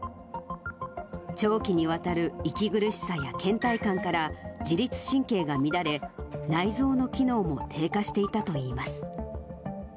長期にわたる息苦しさやけん怠感から、自律神経が乱れ、内臓の機能も低下していたといいます。